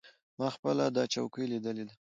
ما پخپله دا چوکۍ لیدلې ده.